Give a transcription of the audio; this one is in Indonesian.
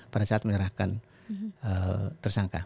pada saat menyerahkan tersangka